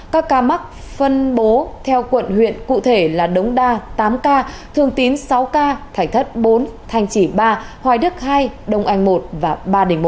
các ca mắc phân bố theo quận huyện cụ thể là đống đa tám ca thường tín sáu ca thải thất bốn thanh chỉ ba hoài đức hai đông anh một và ba đình một